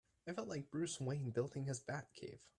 I felt like Bruce Wayne building his Batcave!